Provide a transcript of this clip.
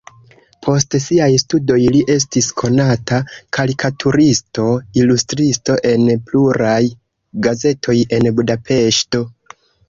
Post siaj studoj li estis konata karikaturisto, ilustristo en pluraj gazetoj en Budapeŝto.